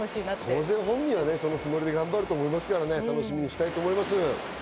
当然、本人はそのつもりで頑張ると思うので楽しみにしたいと思います。